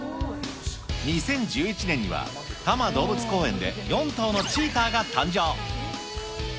２０１１年には、多摩動物公園で、４頭のチーターが誕生。